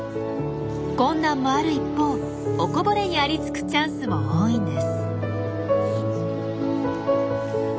困難もある一方おこぼれにありつくチャンスも多いんです。